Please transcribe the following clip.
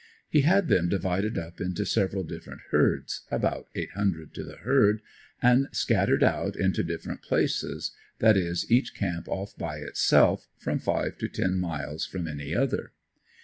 He had them divided up into several different herds about eight hundred to the herd and scattered out into different places, that is each camp off by itself, from five to ten miles from any other.